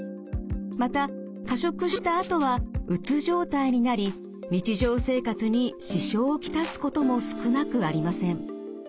また過食したあとはうつ状態になり日常生活に支障を来すことも少なくありません。